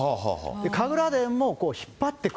神楽殿もこう、引っ張っていく。